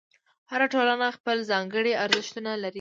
هره ټولنه خپل ځانګړي ارزښتونه لري.